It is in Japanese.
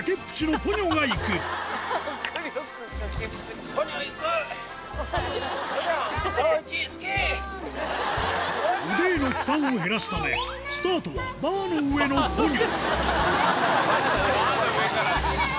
ポニョ、腕への負担を減らすため、スタートは、バーの上のポニョ。